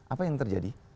apa yang terjadi